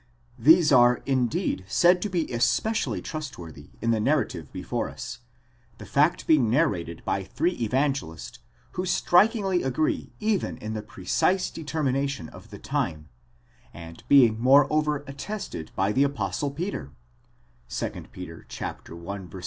These are indeed said to be especially trustworthy in the narrative before us, the fact being narrated by three Evangelists, who strikingly agree even in the precise determination of the time, and being moreover attested by the Apostle Peter (2 Pet. i. 17). ?